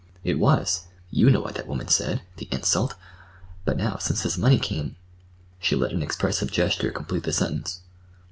"It was. you know what that woman said—the insult! But now, since this money came—" She let an expressive gesture complete the sentence.